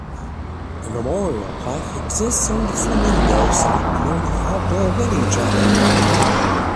A memorial plaque exists on the Flamingo site near the outdoor wedding chapel.